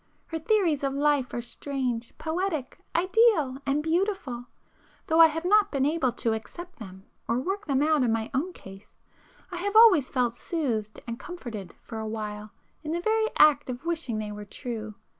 Her theories of life are strange, poetic, ideal and beautiful;—though I have not been able to accept them or work them out in my own case, I have always felt soothed and comforted for a while in the very act of wishing they were true.